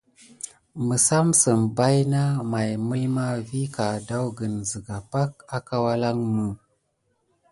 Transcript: Məsamsəm baïna may mulma vi kawɗakan zəga pake akawalanmou.